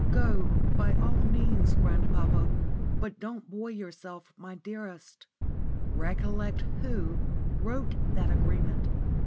"Go, by all means, grandpapa, but don't buoy yourself, my dearest. Recollect Who wrote that agreement.